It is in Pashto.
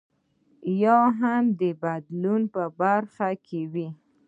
یا هم د بدلون په برخه کې وي.